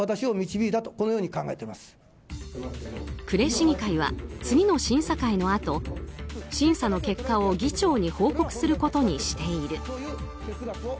呉市議会は次の審査会のあと審査の結果を議長に報告することにしている。